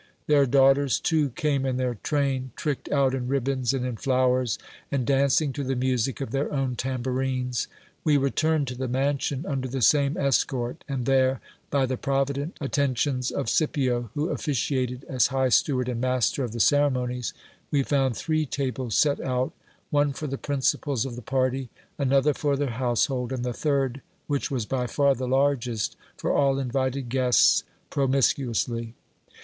Their daughters too came in their train, tricked out in ribbons and in flowers, and dancing to the music of their own tambourines. We returned to the mansion under the same escort : and there, by the provident attentions of Scipio, who officiated as high steward and master of the ceremonies, we found three tables set out ; one for the principals of the party, another for their household, and the third, which was by far the largest, for all invited guests promiscuously.